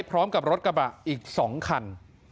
พร้อมกับรถกระบะอีก๒คัน